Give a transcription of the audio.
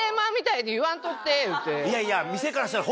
いやいや店からしたら。